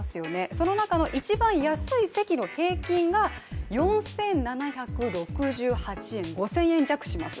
その中の一番安い席の平均が４７６８円、５０００円弱します。